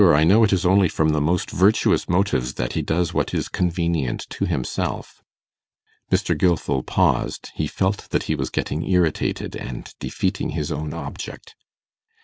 I know it is only from the most virtuous motives that he does what is convenient to himself.' Mr. Gilfil paused. He felt that he was getting irritated, and defeating his own object.